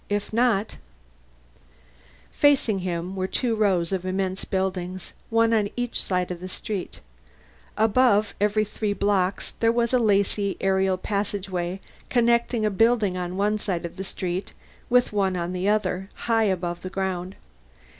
If not Facing him were two rows of immense buildings, one on each side of the street. Above every three blocks there was a lacy aerial passageway connecting a building on one side of the street with one on the other, high above the ground.